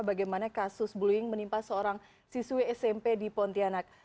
bagaimana kasus bullying menimpa seorang siswi smp di pontianak